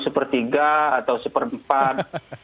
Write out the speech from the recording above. sepertiga atau seperempat